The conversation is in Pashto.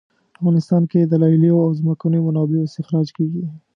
افغانستان کې د لیلیو او ځمکنیو منابعو استخراج کیږي